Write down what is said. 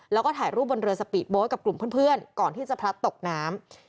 แล้วก็ถ่ายรูปบนเรือสปีดโบ๊ทกับกลุ่มเพื่อนก่อนที่จะพลัดตกน้ำ